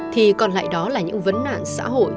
thì còn lại đó là những vấn nạn xã hội